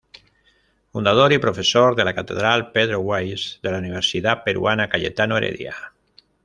Fundador y profesor de la Cátedra Pedro Weiss, de la Universidad Peruana Cayetano Heredia.